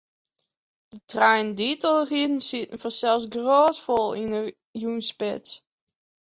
De treinen dy't ál rieden, sieten fansels grôtfol yn 'e jûnsspits.